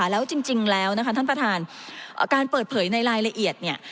แล้วจริงแล้วนะคะท่านประธานการเปิดเผยในรายละเอียดเนี่ย